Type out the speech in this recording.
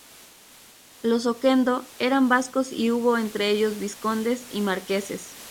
Los Oquendo eran vascos y hubo entre ellos vizcondes y marqueses.